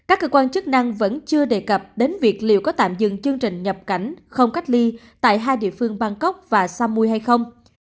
các cơ quan chức năng vẫn chưa đề cập đến việc liệu có tạm dừng chương trình nhập cảnh không cách ly tại hai địa phương bangkok và samui hay không